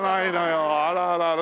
あららら。